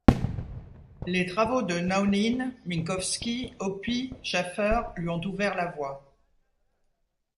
Les travaux de Naunyn, Minkowski, Opie, Schafer, lui ont ouvert la voie.